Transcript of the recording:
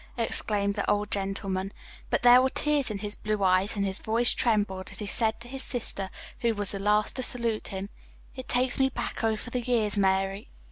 exclaimed the old gentleman, but there were tears in his blue eyes and his voice trembled as he said to his sister, who was the last to salute him, "It takes me back over the years, Mary."